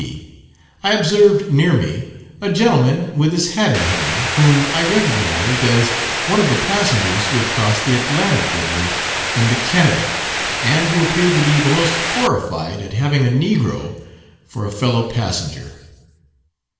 P., I observed near me a gentleman with his hat in hand, whom I recognized as one of the passengers who had crossed the Atlantic with me in the Canada, and who appeared to be the most horrified at having a negro for a fellow passenger.